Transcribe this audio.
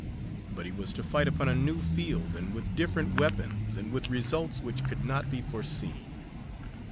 But he was to fight upon a new field, and with different weapons, and with results which could not be foreseen.